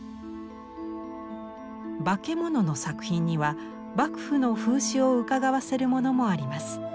化け物の作品には幕府の風刺をうかがわせるものもあります。